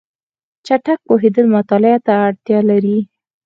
چټک پوهېدل مطالعه ته اړتیا لري.